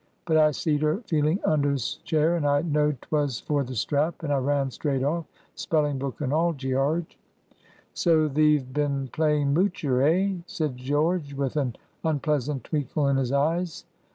But I seed her feeling under 's chair, and I know'd 'twas for the strap, and I ran straight off, spelling book and all, Gearge." "So thee've been playing moocher, eh?" said George, with an unpleasant twinkle in his eyes.